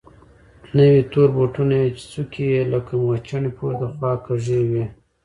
نوي تور بوټونه يې چې څوکې يې لکه موچڼې پورته خوا کږې وې.